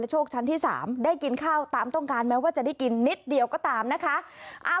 โชคชั้นที่๓ได้กินข้าวตามต้องการแม้ว่าจะได้กินนิดเดียวก็ตามนะคะ